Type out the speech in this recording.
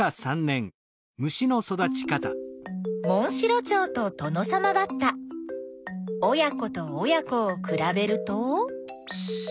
モンシロチョウとトノサマバッタ親子と親子をくらべると。